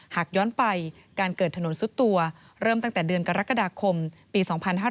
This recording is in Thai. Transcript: หากย้อนไปการเกิดถนนซุดตัวเริ่มตั้งแต่เดือนกรกฎาคมปี๒๕๕๙